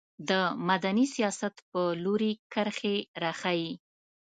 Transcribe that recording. د مدني سیاست په لوري کرښې راښيي.